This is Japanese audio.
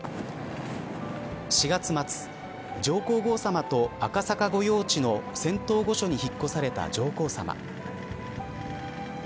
４月末上皇后さまと赤坂御用地の仙洞御所にお引っ越しされた上皇さま。